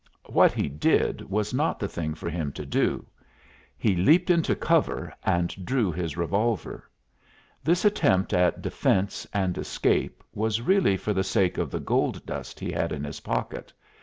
What he did was not the thing for him to do. He leaped into cover and drew his revolver. This attempt at defence and escape was really for the sake of the gold dust he had in his pocket.